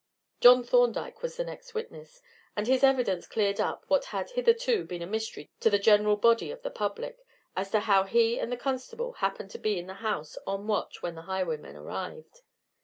John Thorndyke was the next witness, and his evidence cleared up what had hitherto been a mystery to the general body of the public, as to how he and the constable happened to be in the house on watch when the highwaymen arrived.